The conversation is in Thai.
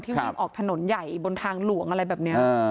วิ่งออกถนนใหญ่บนทางหลวงอะไรแบบนี้